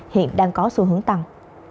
hiện đang có xu hướng tăng